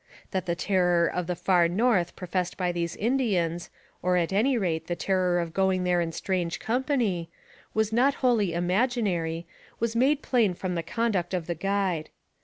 That the terror of the Far North professed by these Indians, or at any rate the terror of going there in strange company, was not wholly imaginary was made plain from the conduct of the guide.